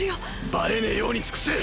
バレねぇように尽くせ！